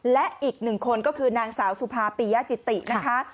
และอีกหนึ่งคนก็คือนางสาวสุภาปียจิตินะคะ